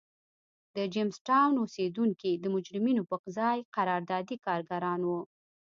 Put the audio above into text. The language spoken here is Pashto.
د جېمز ټاون اوسېدونکي د مجرمینو پر ځای قراردادي کارګران وو.